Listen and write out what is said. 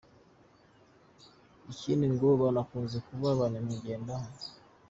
Ikindi ngo banakunze kuba ba nyamwigendaho.